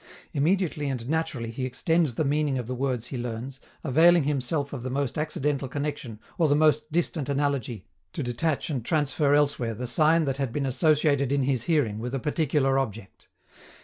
Immediately and naturally he extends the meaning of the words he learns, availing himself of the most accidental connection or the most distant analogy to detach and transfer elsewhere the sign that had been associated in his hearing with a particular object.